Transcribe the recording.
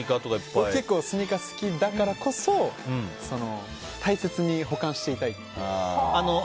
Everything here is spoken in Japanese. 僕、結構スニーカー好きだからこそ大切に保管していたいという。